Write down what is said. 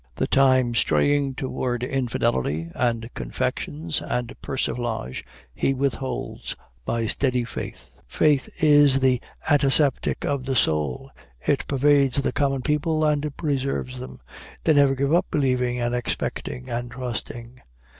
The time straying toward infidelity and confections and persiflage he withholds by steady faith. Faith is the antiseptic of the soul it pervades the common people and preserves them they never give up believing and expecting and trusting.